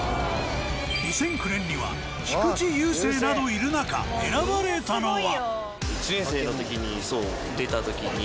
２００９年には菊池雄星などいる中選ばれたのは。